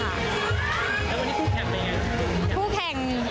แล้ววันนี้ผู้แข่งเป็นยังไง